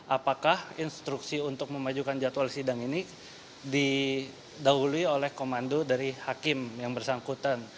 apakah instruksi untuk memajukan jadwal sidang ini didahului oleh komando dari hakim yang bersangkutan